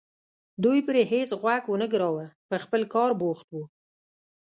دوی پرې هېڅ غوږ ونه ګراوه په خپل کار بوخت وو.